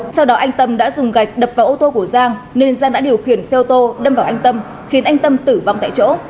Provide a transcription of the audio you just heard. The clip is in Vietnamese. sau đó anh tâm đã dùng gạch đập vào ô tô của giang nên giang đã điều khiển xe ô tô đâm vào anh tâm khiến anh tâm tử vong tại chỗ